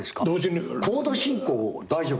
コード進行大丈夫？